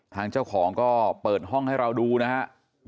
ทางเจ้าของก็เปิดห้องให้เราดูนะครับ